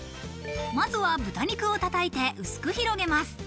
まずは豚肉を叩いて薄く広げます。